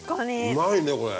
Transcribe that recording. うまいねこれ。